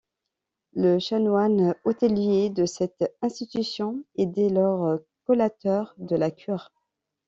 Le chanoine hôtelier de cette institution est dès lors collateur de la cure.